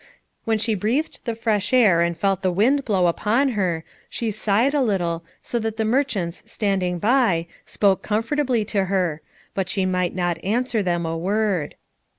When she breathed the fresh air and felt the wind blow upon her, she sighed a little, so that the merchants standing by, spoke comfortably to her, but she might not answer them a word.